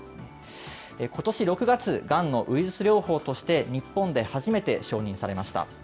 ことし６月、がんのウイルス療法として日本で初めて承認されました。